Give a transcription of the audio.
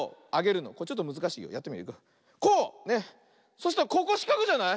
そしたらここしかくじゃない？